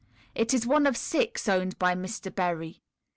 It is one of six owned by Mr. Berry.